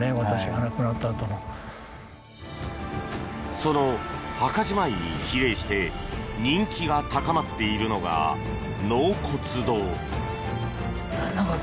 その墓じまいに比例して人気が高まっているのが納骨堂。